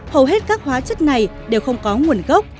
hầu hết các hóa chất này đều không có nguồn gốc